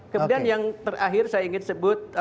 kemudian yang terakhir saya ingin sebut